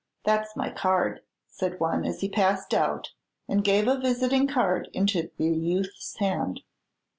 That's my card," said one, as he passed out, and gave a visiting card into the youth's hand.